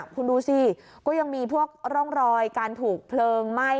คุณดูสิก็ยังมีพวกร่องรอยการถูกเพลิงไหม้